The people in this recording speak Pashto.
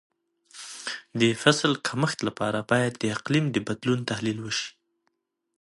د فصل کښت لپاره باید د اقلیم د بدلون تحلیل وشي.